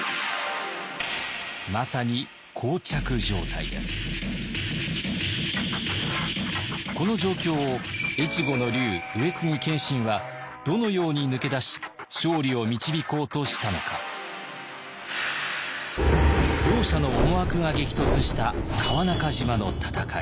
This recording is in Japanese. まさにこの状況を越後の龍上杉謙信はどのように抜け出し勝利を導こうとしたのか。両者の思惑が激突した川中島の戦い。